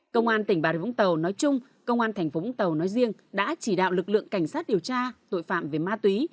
công an tỉnh bà rịa vũng tàu nói chung công an thành phố vũng tàu nói riêng đã chỉ đạo lực lượng cảnh sát điều tra tội phạm về ma túy